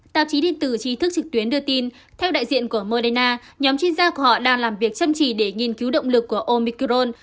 tạp chí điện tử trí thức trực tuyến đưa tin theo đại diện của moderna nhóm chuyên gia của họ đang làm việc chăm chỉ để nghiên cứu động lực của omicron